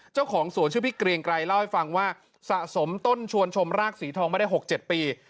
เจ้าของสวนชื่อพี่เกรียงไกรเล่าให้ฟังว่าสะสมต้นชวนชมรากสีทองมาได้๖๗ปี